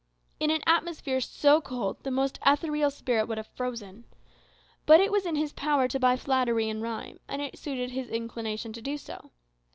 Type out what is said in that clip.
In an atmosphere so cold, the most ethereal spirit would have frozen. But it was in his power to buy flattery in rhyme, and it suited his inclination so to do.